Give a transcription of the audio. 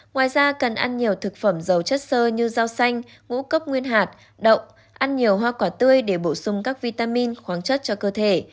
ngoài ra cần ăn nhiều thực phẩm dầu chất sơ như rau xanh ngũ cốc nguyên hạt động ăn nhiều hoa quả tươi để bổ sung các vitamin khoáng chất cho cơ thể